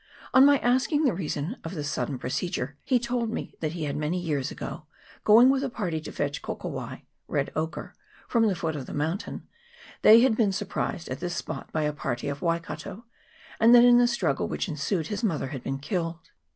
On my asking the reason of this sudden procedure, he told me that many years ago, going with a party to fetch kokowai (red ochre) from the foot of the mountain, they had been surprised at this spot by a party of Waikato, and that in the struggle which ensued his mother had been killed.